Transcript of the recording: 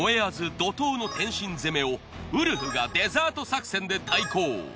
怒涛の点心攻めをウルフがデザート作戦で対抗。